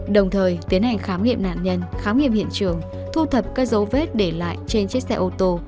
đồng thời tiến hành khám nghiệm nạn nhân khám nghiệm hiện trường thu thập các dấu vết để lại trên chiếc xe ô tô